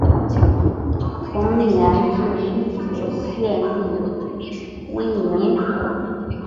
同年置毕节县隶威宁府。